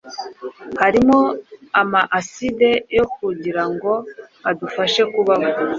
harimo ama aside yo kugira ngo adufashe kubaho,